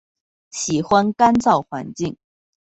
喜欢干燥环境。